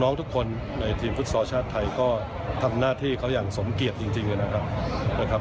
ทุกคนในทีมฟุตซอลชาติไทยก็ทำหน้าที่เขาอย่างสมเกียจจริงนะครับ